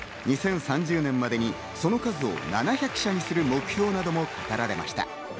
２０３０年までにその数を７００社にする目標なども語られました。